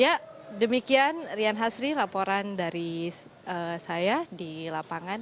ya demikian rian hasri laporan dari saya di lapangan